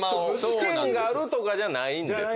試験があるとかじゃないんですね。